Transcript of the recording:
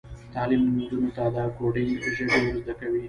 تعلیم نجونو ته د کوډینګ ژبې ور زده کوي.